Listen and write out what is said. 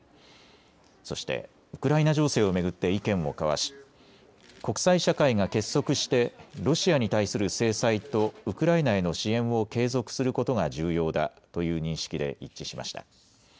そしてウクライナ情勢を巡って意見を交わし国際社会が結束してロシアに対する制裁とウクライナへの支援を継続することが重要だという認識で一致しました。